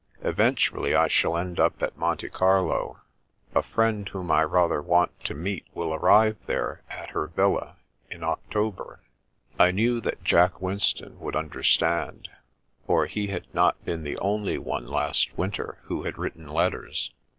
Eventually, I shall end up at Monte Carlo. A friend whom I rather want to meet, will arrive there, at her villa, in October." I knew that Jack Winston would understand, for he had not been the only one last winter who had written letters.